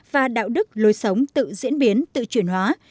và đạo đức lối sống tự diễn biến tự chuyển hóa